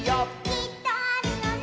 「きっとあるよね」